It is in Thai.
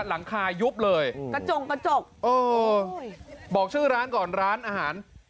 หลังคายุบเลยโอ้โหบอกชื่อร้านก่อนร้านอาหาร